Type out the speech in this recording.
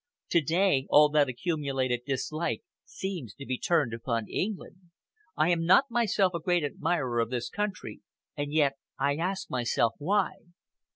Today, all that accumulated dislike seems to be turned upon England. I am not myself a great admirer of this country, and yet I ask myself why?"